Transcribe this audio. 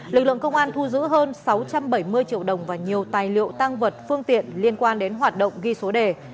lực lượng công an thu giữ hơn sáu trăm bảy mươi triệu đồng và nhiều tài liệu tăng vật phương tiện liên quan đến hoạt động ghi số đề